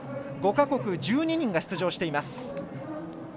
５か国１２人が出場しています。